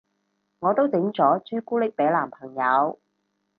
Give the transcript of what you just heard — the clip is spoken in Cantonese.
我都整咗朱古力俾男朋友